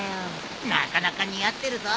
なかなか似合ってるぞ。